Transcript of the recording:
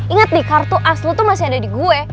ingat nih kartu aslu tuh masih ada di gue